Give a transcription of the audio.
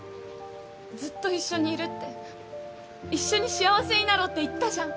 ずっと一緒にいるって一緒に幸せになろうって言ったじゃん。